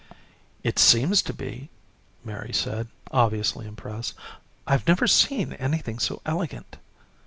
"It seems to be," Mary said, obviously impressed. "I've never seen anything so elegant."